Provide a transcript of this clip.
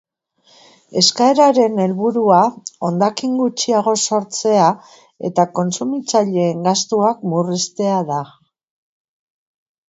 Eskaeraren helburua hondakin gutxiago sortzea eta kontsumitzaileen gastuak murriztea da.